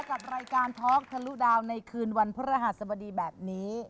กับรายการท็อกทะลุดาวในคืนวันพระรหัสบดีแบบนี้